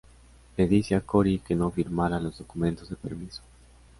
Le dice a Cory que no firmará los documentos de permiso.